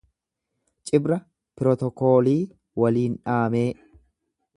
Cibra pirotokoolii waliindhamee.